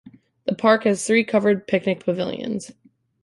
The park has three covered picnic pavilions.